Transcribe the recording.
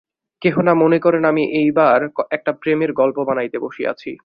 কেহ না মনে করেন আমি এইবার একটা প্রেমের গল্প বানাইতে বসিয়াছি।